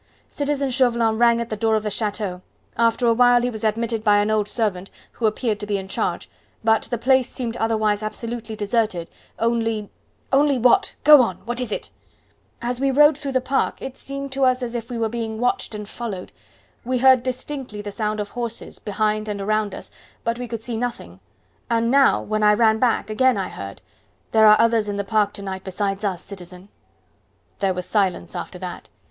"Citizen Chauvelin rang at the door of the chateau; after a while he was admitted by an old servant, who appeared to be in charge, but the place seemed otherwise absolutely deserted only " "Only what? Go on; what is it?" "As we rode through the park it seemed to us as if we were being watched, and followed. We heard distinctly the sound of horses behind and around us, but we could see nothing; and now, when I ran back, again I heard. There are others in the park to night besides us, citizen." There was silence after that.